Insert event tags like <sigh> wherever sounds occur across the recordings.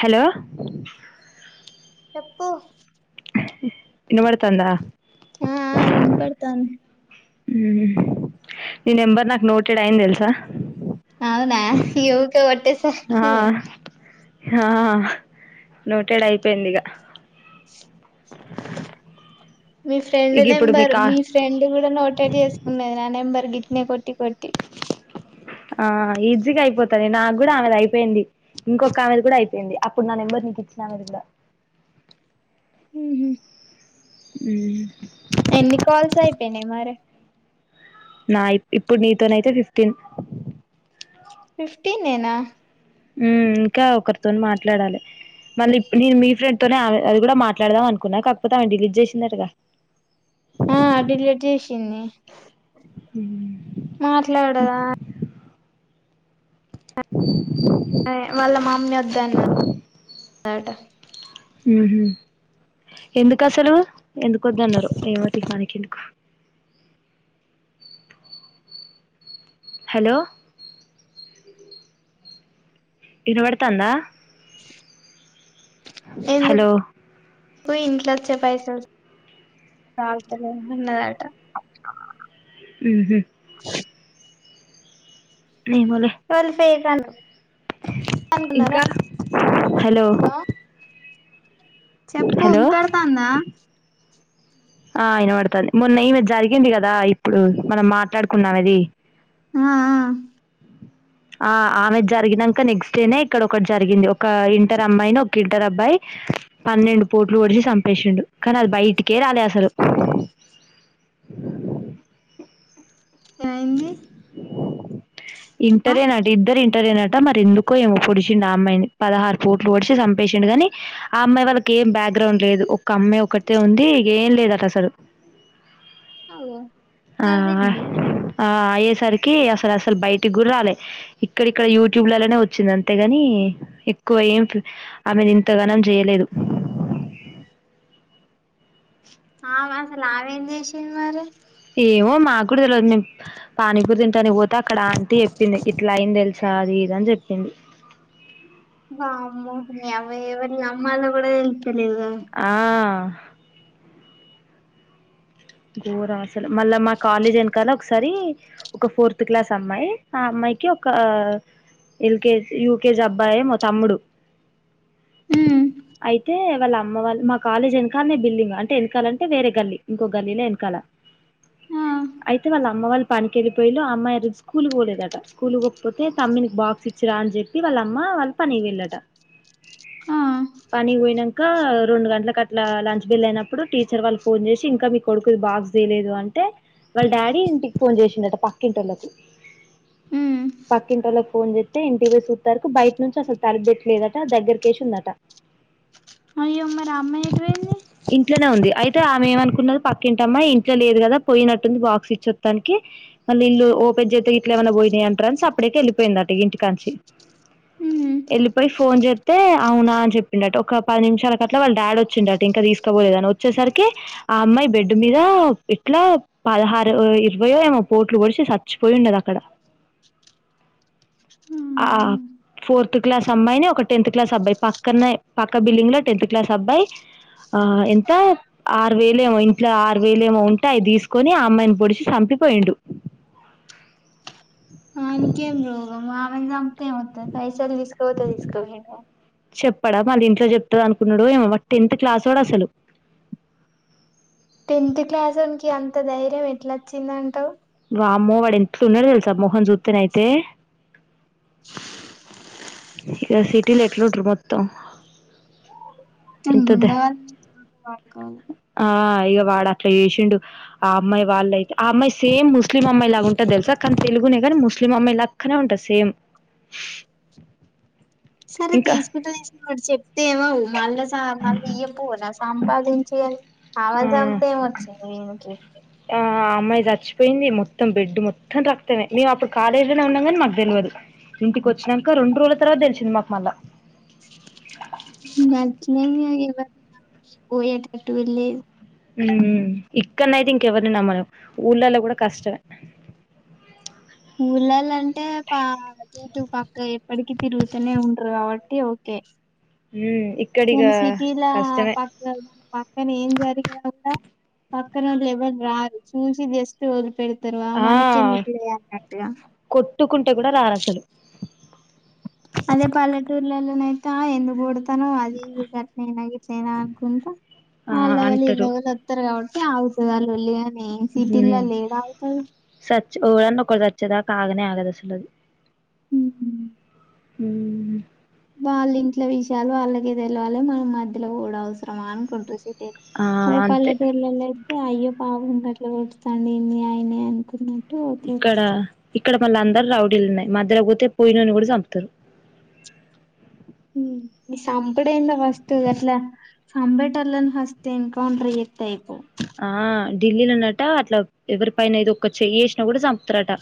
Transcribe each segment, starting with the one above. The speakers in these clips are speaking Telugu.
హలో చెప్పు ఇనబడుతందా ఆ ఆ వినపడతాంది ఊ నీ నెంబర్ నాకు నోటెడ్ అయింది తెలుసా అవునా ఇగ ఊకె కొట్ ట్టే ఆ సరికి ఆ నోటేడ్ అయిపోయింది ఇగ మీ ఫ్రెండ్ ఇక ఇప్పుడు నెంబర్ మీకు మీ ఫ్రెండ్ కూడా నోటెడ్ చేసుకున్నది నా నెంబర్. గిట్నే కొట్టి కొ ఆ ఈజీగా అయిపోతది నాకు కూడా ఆమెది అయిపోయింది ఇంకొక ఆమెది కూడా అయిపోయింది అప్పుడు నా నెంబర్ నీకు ఇచ్చిన ఆమెది కూడా. ఉహు ఉం ఎన్ని కాల్స్ అయిపోయినయ్ మరి నాయ్ ఇప్పుడు నీతోనయితే ఫిఫ్టీన్ ఫిఫ్టీన్ ఏనా ఉం ఇంకా ఒకరితోని మాట్లాడాలి మళ్ళీ నేను మీ ఫ్రెండ్ తోనే అది కూడా మాట్లాడదాం అనుకున్నా కాకపోతే ఆమె డిలీట్ చేసిందటగా. ఆ డిలీట్ చేసింది మాట్లాడదా వాళ్ళ మామ్మీ వద్దన్నట ఉహు ఎందుకు అసలు ఎందులో వద్ద అన్నరో ఏమో తీయ్ మనకి ఎందుకు. హలో వినబడతంద ఎందు హలో కు ఇంట్లచ్చే పైసలు సాల్తాలేదా అన్నదాట. ఉహు ఏమో లే తను ఇంకా హలో చెప్పు హలో ఇంపడ్తందా ఆ విన్నబాడుతుంది మొన్న్యఈమె జరిగింది కదా ఇప్పుడు మనం మాట్లాడుకున్నాం అది. ఆ ఆ ఆమె జరిగినాక నెక్స్ట్ డేనే ఇక్కడ ఒకటి జరిగింది ఒక ఇంటర్ అమ్మాయిని ఒక ఇంటర్ అబ్బాయి పన్నెండు పోట్లు డిచ చపేసిండు కానీ అది బయటికే రాలేస్ సాలు ఏమైంది ఆ ఇంటరే అంట ఇద్దరు ఇ టరే నట మరి ఎందుకో ఏమో పొడిచిండు ఆ అమ్మాయిని పదహారు పూట్లు పడిచి చంపేసిండు గాని ఆ అమ్మాయి వాళ్ళకి ఏం బ్యాగ్రౌండ్ లేదు ఒక అమ్మా ఒకటిట ఉంది ఏం లేదుట అసలు. అఓ ఆ గదేంది ఆ అయ్యేసరికి అసలు అసలు బయటికి గుడ్ రాలే ఇక్కడక్కడ యూట్యూ ఆమా ఆసలు ఆమె ఏం చేసింది మారి? ఏమో మాకు తెలియదు మేము పానీపూర్ తింటానికి పోతే అక్కడ ఆంటి చెప్పింది ఇట్లా అయింది తెలుసా అది ఇద అని చెప్పింది. వమ్మ నీ అవ్వ ఎవర్ని అమ్మాల కూడా తేల్ ఆ ఘోరం అసలు మళ్ళా మా కాలేజ్ వెనకాల ఒకసారి ఒక ఫోర్త్ క్లాస్ అమ్మాయి ఆ అమ్మాయికి ఒక ఎల్కేజీ యూకేజీ అబ్బాయే మో తమ్ముడు ఉమ్ అయితే వాళ్ళ అమ్మ వాళ్ళ మా కాలేజ్ ఎనకాలనే బిల్డింగ్ అంటే ఎనకాలంటే వేరే గల్లి ఇంకో గల్లీ లో వెనకాలా ఆ అయితే వాళ్ళు అమ్మ వాళ్ళు పనికి వెళ్ళిపోయిలు అమ్మాయి రోజు స్కూల్కి పోలేదట స్కూల్ పోకపోతే తమ్మనికి బాక్స్ ఇచ్చిరా అని చెప్పి వాళ్ళ అమ్మ వాళ్ళ పనికి పోయిళ్ళట ఆ పనికి పోయినాక రెండు గంటలకి అట్లా లంచ్ బేళ్ల్ అయినప్పుడు టీచర్ వాళ్ళు ఫోన్ చేసి ఇంకా మీ కొడుకుది బాక్స్ చేేయలేదు అంటే వాళ్ళ డాడీ ఇంటికి ఫోన్ చేసిండట పక్కింటోళ్ళలకు ఉమ్ పక్కింటోళ్ళకి ఫోన్ చేస్తే ఇంటికి పోసిూతరకు బయట నుంచి అసలు తలబెట్టలేదుట దగ్గరికేసిందట అయ్య మరి ఆ అమ్మాయి ఎటుపోయింది అయితే ఆమె ఏమనుకున్నది పక్ మ్మాయి ఇంట్లో లేదు కదా పోయినట్టుంది బాక్స్ ఇచ్చొస్తానికి మళ్ళీ ఇల్లు ఓపెన్ చేస్త ఇట్లా ఏమైనా పోయినాయి అంటారు అప్పడేకి వెళ్లిపోయిందట ఇంటికాంచి ఉమ్ వెళ్ళిపోయి ఫోన్ చేస్తే అవునా అని చెప్పిండట ఒక పది నిమిషాల కట్ల వాళ్ళ డాడీ వచ్చిండటటు ఇంకా తీసుపోలేదని వచ్చేసరికి ఆ అమ్మాయి బెడ్ మీద ఇట్లా పదహారు ఇరవయో ఏమో పోట్లు పడిచ చచ్చిపోయి ఉండదు అక్కడ ఆ ఉమ్ ఫోర్త్ క్లాస్ అమ్మాయిని ఒక టెన్త్ క్లాస్ అబ్బాయి పక్కనే పక్క బిల్డింగ్ లో టెన్త్ క్లాస్ అబ్బాయి ఆ ఎంత ఆరు వేలు ఏమో ఇట్లా ఆరు వేలు ఏమో ఉంటే అవి తీసుకొని ఆ అమ్మాయిని పొడిచి చంపిపోయిండు వానికేం రోగం ఆమెని చంపిత్తి ఎమ్ వస్తది పైసలు తీసుకొపోతే తీసుపోయుడుగాని చెప్పడా మాది ఇంట్లో చెప్తంది అనుకున్నాడు ఏమో టెన్త్ క్లాస్ వోడు అసలు టెన్త్ క్లాసోనికి అంత ధైర్యం ఎట్లా వచ్చిందంటవు వామ్మో వాడు ఎట్ల్ ఉన్నాడో తెలుసా మొహం చుత్తేనే అయితే ఇక సిటీలో ఎట్లు ఉంటరు మొత్తం తన ఎంత ద గుండగాళ్ కాను ఆ ఇక వాడు అట్లా చేసిండు ఆ అమ్మాయి వాళ్ళయితే ఆ అమ్మాయి సేమ్ ముస్లిం అమ్మాయి లాగా ఉంట తెలుసా కానీ తెలుగునే కాని ముస్లిం అమ్మాయి లాక్కనే ఉంటది సేమ్ సరే ఇంకా తీసుకుంట తీస్ మడు చెప్తే ఏమవ్ మళ్ళ మళ్్య పూ నా సంపాదించి ఆవాజాంత ఆ ఏం వచ్చింది వీనికి ఆ అమ్మాయి చచ్చిపోయింది మొత్తం బెడ్ మొత్తం రక్తమే మేము అప్పుడు కాలేజీలోనే ఉన్నాం కాని మాకు తెల్వదు ఇంటికి వచ్చినంక రెండు రోజుల తర్వాత తెలిసింది మాకు మళ్ళా నట్ నేను <inaudible> పోయేటట్టుగా లేదు మ్మ్ ఇక్కడ్నైతె ఇంకెవరిని నమ్మలేం ఊళ్ళల్ల కూడా కష్టమే ఊళ్ళల్ల అంటే పా టుటు పక్క ఎప్పటికి తిరుగుతనే ఉంటరు కాబట్టి ఓకే హ్మ్ కానీ సిటీల పక్కక్ పక్కన ఏం జరిగిన కూడా పక్కనోల్లెవల్ రారు చూసి జస్ట్ వదిలిపెడ్ ఆ కొట్టుకుంటె కూడా రారు అసలు అదే పల్లెటూర్లల్ల నయి తా ఎందుకు కొడుత తనవ్ అది ఇది గట్నేనా గిట్లయినా అనుకుంటా ఆ వాళ్ళొగలు అంటారు యిల్లోగలు వత్తరు కాబట్టి తె ఆగుతదా లొల్లి గని హ్మ్ సచ్ ఎవడన్న ఒకడు స చ్చేదాక ఆగనే ఆగదు అసలది హ్మ్ హమ్ హ్మ్ వాళ్ళ ఇంట్ల విషయాలు వాళ్ళకే తెలవాలె మనం మధ్యల వోవుడు అవసరమా అనుకుంటురు సి ఆ అదే అంతే పల్లెటూర్లల్ల అయి అయ్యో పాపం గట్ల కొడుతడేంది ఆయనే అనుకున్నా ఇక్కడ ఇక్కడ మళ్ళ అందరు రౌడీలు ఉన్నాయి మధ్యలకు పోతే పోయినోన్ని కూడా చంపుతరు మీ సంపుడెందో ఫస్ట్ గట్ల సంపెటోల్లని ఫస్ట్ ఎన్కౌంటర్ చేత్తె అయిపోవ్ ఆ ఢిల్లీలనట అట్ల ఎవరి పైన ఏదొక్క చెయ్యేసినా కూడా సంపుతరట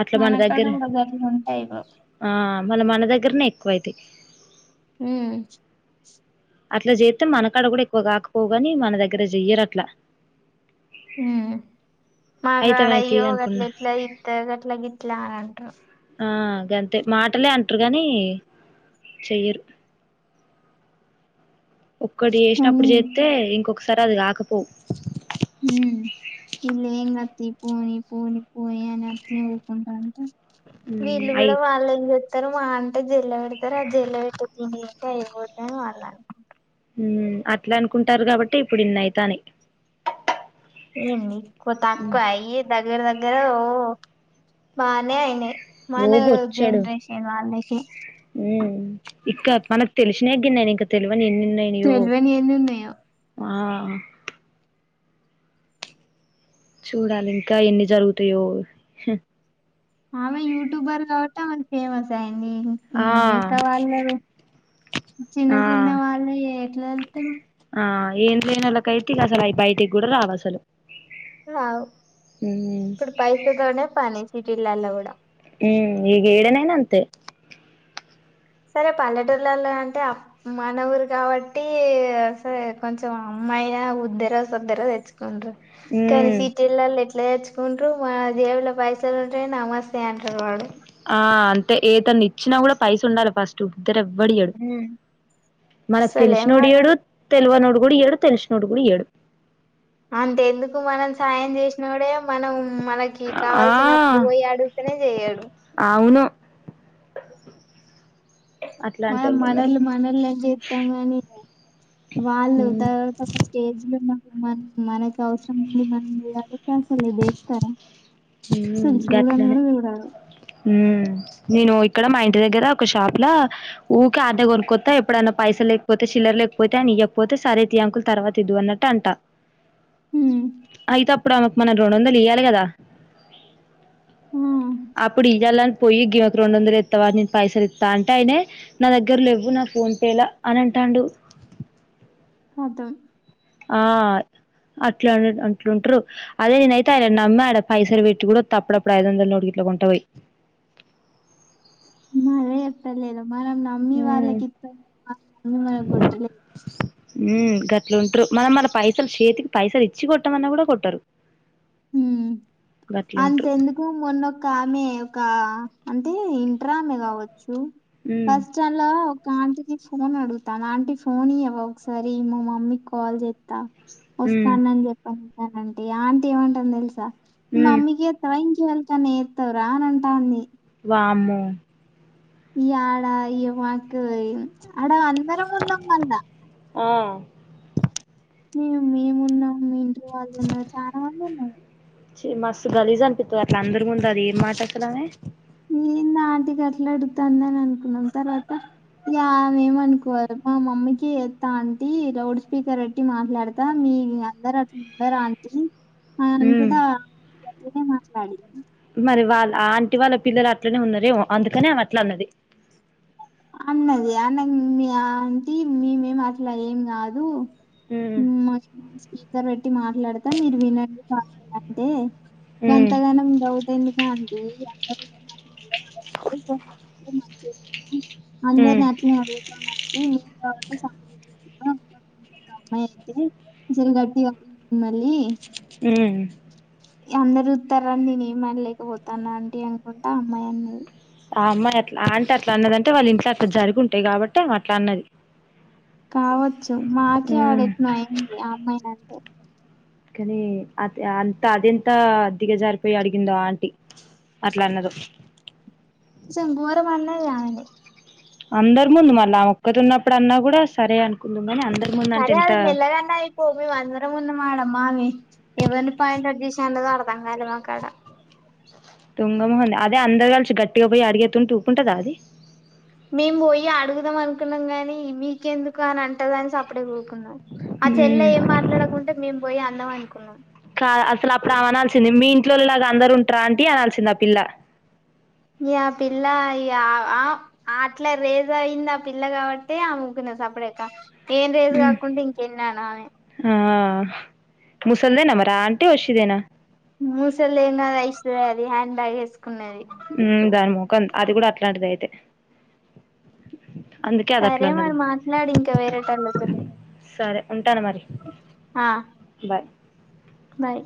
అట్లా మన మనకాడ దగ్గర కూడా గట్లుంటె అయిపోవ్ ఆ మళ్ళ మన దగ్గరనే ఎక్కువ అయితయి హ్మ్ అట్ల చేత్తే మనకాడ కూడా ఎక్కువ కాకపోవ్ గాని మన దగ్గర చెయ్యరు అట్లా హ్మ్ మాట్లాడ అయితమైతాయి అయ్యో అనుకున్నా గట్లెట్లా ఇత్త గట్ల గిట్లా అనంటరు ఆ గంతే మాటలే అంటరు కాని చెయ్యరు ఒక్కడు కానీ చేసినప్పుడు చేత్తే ఇంకొక ఒకసారి అది కాకపోవ్ హ్మ్ వీళ్ళు ఏంగాత్తియ్ పోని పోని పోని అని అట్నే ఊకుంటాంటె మ్మ్ వీళ్ళు అయి కూడా వాళ్ళెంచే త్తరు మా అంటే జేల్ల పెడతారు ఆ జేల్ల పెట్టే తిండి తింటే అయిపోతదని వాళ్ళు అనుకుంట్రు హ్మ్ అట్లా అనుకుంటారు కాబట్టే ఇప్పుడు ఇన్ని అయితాన్నయి ఏం ది కొత్తక్కువయ్యి దగ దగ్గర దగ్గర ఓ బానే అయినయి మన జెనరేషన్ వాళ్ళయి క ఉ ఇక్క మనకు తెలిసినా గ నేను ఇంకా తెలుసు మని నిన్నన్నయి నవు తెల్వని ఎన్ని ఉన్నాయో ఆ ఆ చూడాలి ఇంకా ఎన్ని జరుగుతాయో ఆమె యూట్యూబర్ కాట్ మ ఫేమస్ అయి ఆ మిగతా వాళ్ళ చిన్న ఆ చిన్న వాళ్ళే ఇతే ఆ ఏం లేనోల్ల కయితే ఇక అసలు అవి బయటికి కూడా రావు అసలు అవ్ ఉమ్ ఇప్పుడు పైస తోనే పని సీటీలల్ల గుడా హుమ్ ఇగ ఈడేన తే సరే పల్లెటూర్ లల్ల అంటే మన ఊరు కాబట్టి సరే కొంచెం అమ్మాయినా ఉద్దరో సద్దరో తెచ్చుకుండ్రు కానీ ఉమ్ సీటీలల్ల ఎట్ల తెచ్ కుంట్రు మా జేబుల పైసలు ఉంటే నమస్తే అంటారు వాడు ఆ అంటే ఏతన్ని ఇచ్చినా కూడా పైస ఉండాలి ఫస్ట్ ఇత్తరు ఎవ్వడియడు మనకు అసలే తెలిసినోడు మనం ఇయడు తెల్వ నోడు వొడి యడు తెల్సి నోడు గుడ ఇయడు అంటే ఎందుకు మనం సాయం చేసినోడే మనం మనకి ఆ కావల్సినప్పుడు పోయి అడుగుతనే చేయడు అవును మనం అట్లాంటోళ్ళు ఉన్నారు మనోలు మనోలు అని చెత్తం కని వాళ్ళు ఉమ్ తర్వాత ఒక స్టేజ్ లున్న మనం మనకి అవసరం ఉంది మనం పోయి అడిగితే అసలు డెక్తర ఉ గట్లనే ఉ నేను ఇక్కడ మా ఇంటి దగ్గర ఒక షాప్ ల ఊకే ఆడనే కొనుక్కత ఎప్పుడన్న పైసల్ లేకపోతే చిల్లర్ లేకపోతే ఆయనే ఇయ్యకపోతే సరేతి అంకుల్ తర్వాత ఇదువు అన్నట్టు అంట హ్మ్ అయితే అప్పుడు ఆమెకు మనం రెండు వందల్ లియాలే కదా ఆ అప్పుడు ఇయ్యాలని పోయి గీమేకు రెండు వందలు ఎత్తావా నేను పైసలు ఇత్త అంటే అయినే నా దగ్గర లేవు నా ఫోన్ పే అని అంటాడు కతం ఆ అట్లా అట్లుంటారు అదే నేనయితే ఆయనను నమ్మి ఆడ పైసల్ వేట్టి కూడా వత్త అప్పుడప్పుడు ఐదొందల నోటుగిట్ల కొంట వోయి మరే ఎర్తలేదో మనం నమ్మి హ్మ్. వాళ్ళకి ఇత్తం గని వాళ్ళు నమ్మి మనకు కొట్టలేదు ఉ గట్లుంట్రు మనం మన పైసలు చేతికి పైసలు ఇచ్చి కొట్టమన్నా కూడా కొట్టరు హు గట్లుంట్రు అంతెందుకు మొన్న ఒక ఆమె ఒక అంటే ఇంటర్ ఆమె కావ చ్చు ఉమ్ ఫస్ట్ అన్ల ఒక ఆంటికి ఫోన్ అడుగుతాను ఆంటీ ఫోన్ ఇయవా ఒకసారి మా మమ్మీకి కాల్ చేత్త ఉమ్ వస్తానని చెప్పండి అనంటే ఆమే అంటే ఏమంటంద తెలుసా మీ ఉమ్ మమ్మీకి చెత్తవ ఇం ఎవాల్కన్న చెత్తవు రా అని అంటది వామ్మో ఈ అడా ఈ మాకు అడ అందరం ఉన్నం మల్ల అ మే మేము ఉన్నాం మీ ఇంటిలో వాళ్ళు ఉన్నారు చాలా మంది ఉన్నారు చీ మస్తు గలీజ్ అనిపిత్తది అట్ల అందరి ముందు అదేం మాట అసలామే ఏంది ఆంటీ గట్లా అడుగుతందని అనుకున్నాం తర్వాత ఇగ ఆమె ఏమనుకోవాలే మా మమ్మీకే చేత్త ఆంటీ లౌడ్ స్పీకర్ పెట్టి మాట్లాడతా మీ మీ అందరు అట్ల ఉండరు ఆంటీ ఆ అ ఉమ్ కూడా ఏనే మాట్లాడి మరి వాళ్ళ ఆ ఆంటి వాళ్ళ పిల్లలు అట్లనే ఉన్నారేమో అందుకనే అమె అట్ అన్నది. అన్నది అన్నది మీ ఆంటీ మేమేం అట్లా ఏం కాదు ఉమ్ మ దగ్గర పెట్టి మాట్లాడతా మీరు వినండి కావాలి అంటే ఉమ్ గంతగానం డౌటేందిగా అ ఏ ఎ మాత్రం ఎం పనీ పడిందో చెతున అందరు ఉమ్ న చే అడుగుతాన్నారు మ <inaudible> అమ్మాయి అయితే చీర గట్టి అడు మళ్ళీ హ్మ్ ఉ అందరు తార నేను ఏమినలేకపోతాను అంటీ అనుకుంటే అమ్మాయిన్న ఆ అమ్మాయి అట్ల ఆంటే అట్లా అన్నదంటే వాళ్ళు ఇంట్లో అట్లా జరుగు ఉంటాయి కాబట్టి అట్లా ఆమె అన్నది. కావచ్చు మాకే ఉమ్ ఆడినయి ఆ అమ్మాయి అని కానీ అది అంత అది ఎంత అ దిగా జారిపోయి అడిగిందో ఆంటీ అట్లా అన్నదో చెెంబూర మన్న ఇగ ఆమెదే అందరి ముందు మళ్ళ ఆమె ఒక్కటి ఉన్నప్పుడు అన్నా కూడా సరే అనుకుందామనీ అ సరే అది మెలగన్నది పో మేం అందరం ఉన్నాం మడం మావి ఎవరిని <unintelligible> మాకు అర్ధం కాలే దొంగమహంది అదే అందరు కలిసి గట్టిగా పోయి అడిగేతుంటే ఊరుకుంటుందా అది మేం పోయి అడుగుదాం అనుకున్నాం గాని మీకెందుకు అని అంటదని సప్పడే ఆ చెల్ల ఉమ్ ఏం మాట్లాడకుంటే మే పోయి అందాం అనుకున్నాం కా అసలు అప్పుడు అ అనాల్సిందే మీ ఇంట్లోలాగా అందరు ఉంటార అంటీ అనాల్సింద ఆ పిల్ల న ఆ పిల్ల ఆ అట్లా రేజ్ అయింది ఆ పిల్ల కాబట్టి ఆమె ఊరుకునే ఉన్నది సపడక నేను రేజ్ ఉమ్ కాకుండాఉంటే ఇంకా అను ఆమె ముసల్దేన్ మరా ఆంటీ వషదే మూసలుదేం కాదు ఇస్త అది హ్యాండ్ బ్యాస్ ఉ దాని మొఖం కొ అది కూడా అట్లాంటిది అయితే అందుకే అది అట్లా సరే మరి అన్నది మాట్లాడి ఇంకా వేరేటల్ల తో సరే ఉంటాను మరి బాయ్ బాయ్